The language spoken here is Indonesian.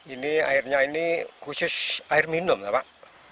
ini airnya ini khusus air minum ya pak